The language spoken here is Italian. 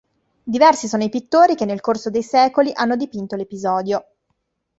Diversi sono i pittori che nel corso dei secoli hanno dipinto l'episodio.